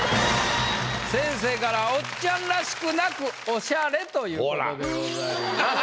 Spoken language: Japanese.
先生から「おっちゃんらしくなくオシャレ！」ということでございます。